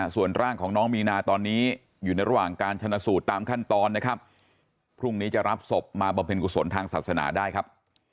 ส่วนร่างของน้องมีนาตอนนี้อยู่ในระหว่างการชนะสูตรตามขั้นตอนนะครับพรุ่งนี้จะรับศพมาบำเพ็ญกุศลทางศาสนาได้ครับ